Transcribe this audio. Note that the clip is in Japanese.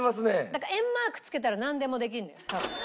だから円マーク付けたらなんでもできるのよ多分。